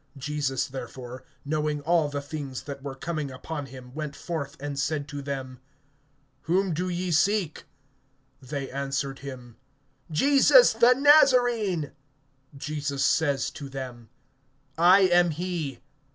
(4)Jesus therefore, knowing all the things that were coming upon him, went forth and said to them: Whom do ye seek? (5)They answered him: Jesus the Nazarene. Jesus says to them: I am he.